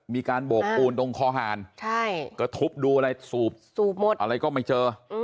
มีการโบกปูนตรงคอหารก็ทุบดูอะไรสูบหมดอะไรก็ไม่เจอ